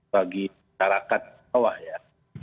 bagi masyarakat jawa ya